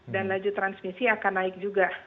dan laju transmisi akan naik juga